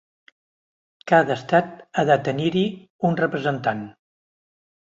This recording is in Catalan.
Cada estat ha de tenir-hi un representant.